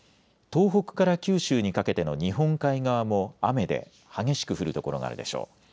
東北から九州にかけての日本海側も雨で激しく降る所があるでしょう。